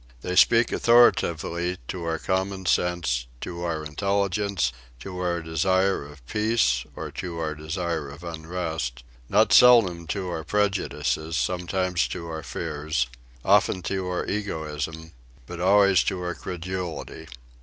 They speak authoritatively to our common sense, to our intelligence, to our desire of peace or to our desire of unrest; not seldom to our prejudices, sometimes to our fears, often to our egoism but always to our credulity.